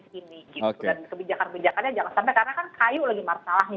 dan kebijakan kebijakannya jangan sampai karena kan kayu lagi masalahnya